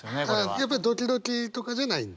やっぱドキドキとかじゃないんだ？